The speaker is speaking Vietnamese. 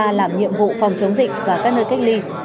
làm nhiệm vụ phòng chống dịch và các nơi cách ly